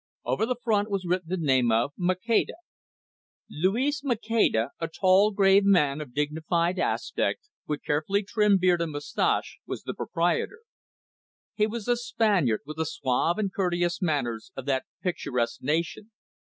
Over the front was written the name of Maceda. Luis Maceda, a tall, grave man of dignified aspect, with carefully trimmed beard and moustache, was the proprietor. He was a Spaniard, with the suave and courteous manners of that picturesque nation.